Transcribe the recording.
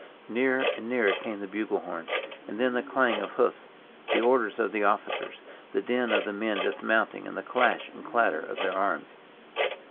Nearer and nearer came the bugle horn, and then the clang of hoofs, the orders of the officers, the din of the men dismounting, and the clash and clatter of their arms.